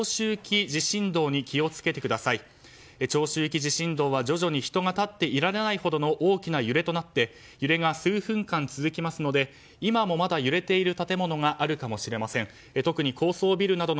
長周期地震動は徐々に人が立っていられないほどの揺れになって揺れが数分間続きますので今もまだ揺れている建物があるかもしれません。